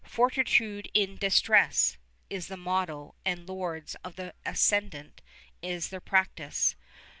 "Fortitude in Distress" is the motto and lords of the ascendant is their practice.